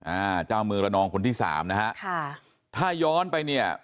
อ่าเจ้าเมืองระนองคนที่สามนะฮะค่ะถ้าย้อนไปเนี่ย